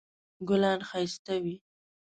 ګلان ښایسته وي